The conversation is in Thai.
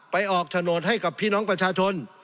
ออกโฉนดให้กับพี่น้องประชาชน